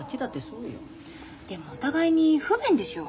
でもお互いに不便でしょ？